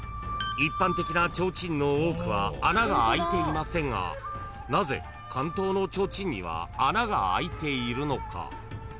［一般的な提灯の多くは穴があいていませんがなぜ竿燈の提灯には穴があいているのか？］